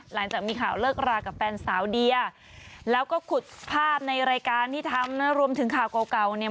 หลังจากมีข่าวเลิกรากับแฟนสาวเดียแล้วก็ขุดภาพในรายการที่ทำนะรวมถึงข่าวเก่าเก่าเนี่ย